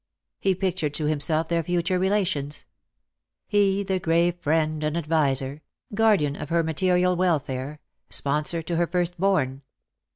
He pictured to himself their future relations. He, the grave friend and adviser — guardian of her material welfare — sponsor to her first born.